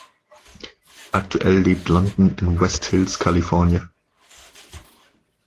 Aktuell lebt London in West Hills, California.